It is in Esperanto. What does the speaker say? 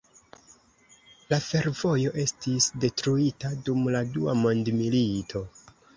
La fervojo estis detruita dum la Dua Mondmilito.